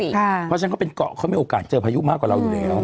เพราะฉะนั้นเขาเป็นเกาะเขามีโอกาสเจอพายุมากกว่าเราอยู่แล้ว